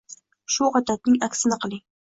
shu odatning aksini qiling